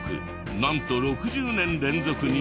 なんと６０年連続日本一！